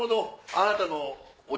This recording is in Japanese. あなたの。